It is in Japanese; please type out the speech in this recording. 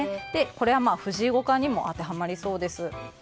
これは藤井五冠にも当てはまりそうです。